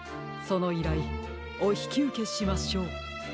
そのいらいおひきうけしましょう。